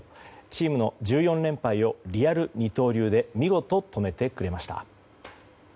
チームの１４連敗をリアル二刀流で見事、止めてくれました。